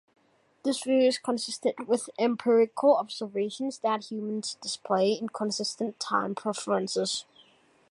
This view is consistent with empirical observations that humans display inconsistent time preferences.